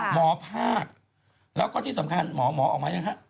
หมอภาคแล้วก็ที่สำคัญหมอหมอออกมายังฮะ